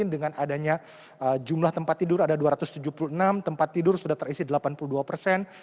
dengan adanya jumlah tempat tidur ada dua ratus tujuh puluh enam tempat tidur sudah terisi delapan puluh dua persen